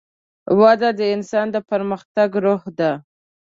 وده د انسان د پرمختګ روح ده.